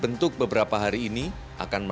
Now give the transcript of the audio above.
untuk membuat gas gaun sekali